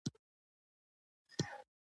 دا ځکه چې طلا د خاورې په څېر بې ارزښته شي